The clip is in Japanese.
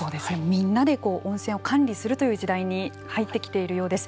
みんなで温泉を管理するという時代に入ってきているようです。